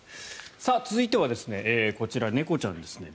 続いては、こちら猫ちゃんですね。